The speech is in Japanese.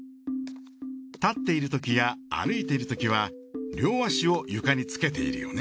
立っているときや歩いているときは両足を床につけているよね。